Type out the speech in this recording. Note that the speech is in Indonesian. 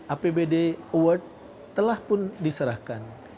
apbd award telah pun diserahkan